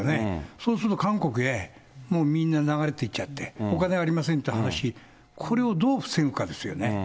そうすると韓国へもうみんな流れていっちゃって、お金はありませんって話、これをどう防ぐかですよね。